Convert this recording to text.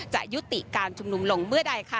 ยุติการชุมนุมลงเมื่อใดค่ะ